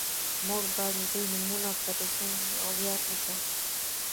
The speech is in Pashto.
موږ باید د دوی نومونه تل ژوندي او یاد وساتو